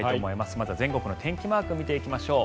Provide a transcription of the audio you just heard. まずは全国の天気マークを見ていきましょう。